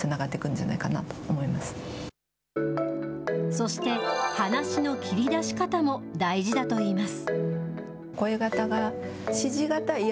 そして、話の切り出し方も大事だといいます。